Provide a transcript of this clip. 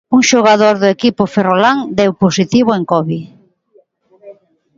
Un xogador do equipo ferrolán deu positivo en Covid.